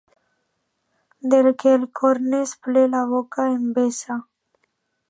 Del que el cor n'és ple la boca en vessa.